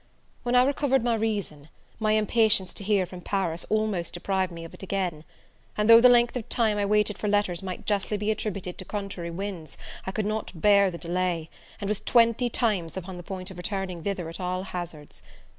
When I recovered my reason, my impatience to hear from Paris almost deprived me of it again; and though the length of time I waited for letters might justly be attributed to contrary winds, I could not bear the delay, and was twenty times upon the point of returning thither at all hazards.